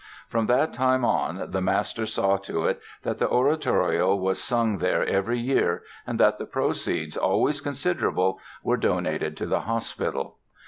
From that time on the master saw to it that the oratorio was sung there every year and that the proceeds, always considerable, were donated to the Hospital.